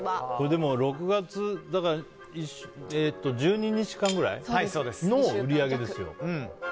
でも、６月の１２日間くらいの売り上げですよ。